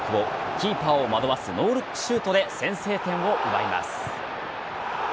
キーパーを惑わすノールックシュートで先制点を奪います。